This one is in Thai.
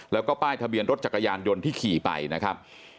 แล้วก็ป้ายทะเบียนรถจักรยานยนต์ที่ขี่ไปนะครับ